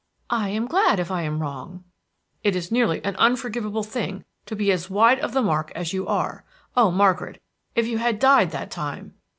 "I am glad if I am wrong." "It is nearly an unforgivable thing to be as wide of the mark as you are. Oh, Margaret, if you had died that time!"